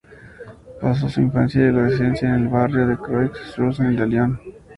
Pasó su infancia y adolescencia en el barrio la Croix-Rousse de Lyon.